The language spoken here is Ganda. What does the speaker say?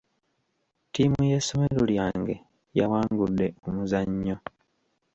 Ttiimu y'essomero lyange yawangudde omuzannyo.